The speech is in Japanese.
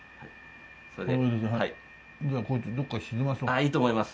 あっいいと思います。